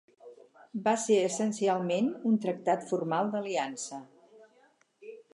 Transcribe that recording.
Va ser essencialment un tractat formal d'aliança.